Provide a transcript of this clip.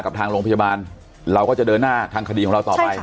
กับทางโรงพยาบาลเราก็จะเดินหน้าทางคดีของเราต่อไป